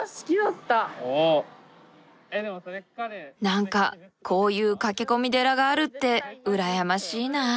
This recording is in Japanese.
何かこういう駆け込み寺があるって羨ましいなあ。